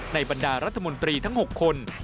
บรรดารัฐมนตรีทั้ง๖คน